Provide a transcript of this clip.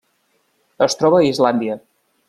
Es troba a Islàndia.